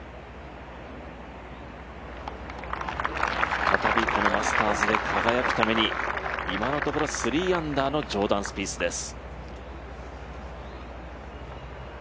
再びこのマスターズで輝くために、今のところ３アンダーのジョーダン・スピースです。